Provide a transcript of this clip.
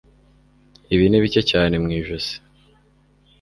Ibi ni bike cyane mu ijosi.